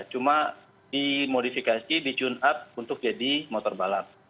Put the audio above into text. cuma dimodifikasi dicune up untuk jadi motor balap